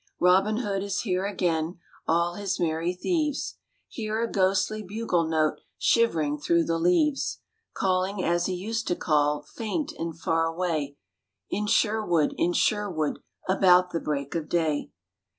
Robin Hood is here again: all his merry thieves Hear a ghostly bugle note shivering through the leaves, Calling as he used to call, faint and far away, In Sherwood, in Sherwood, about the break of day.